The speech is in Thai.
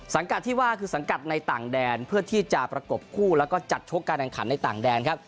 กัดที่ว่าคือสังกัดในต่างแดนเพื่อที่จะประกบคู่แล้วก็จัดชกการแข่งขันในต่างแดนครับ